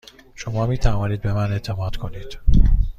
شما می توانید به من اعتماد کنید.